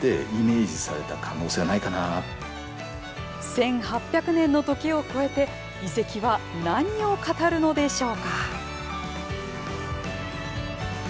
１８００年の時を越えて遺跡は何を語るのでしょうか。